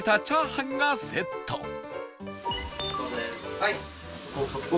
はい。